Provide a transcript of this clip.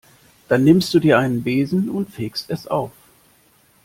Dann nimmst du dir einen Besen und fegst es auf.